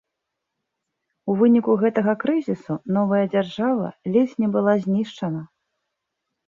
У выніку гэтага крызісу новая дзяржава ледзь не была знішчана.